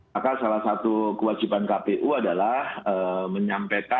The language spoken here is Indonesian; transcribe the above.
maka salah satu kewajiban kpu adalah menyampaikan